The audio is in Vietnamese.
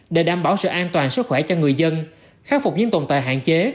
để đảm bảo sự an toàn sức khỏe cho người dân khắc phục những tồn tại hạn chế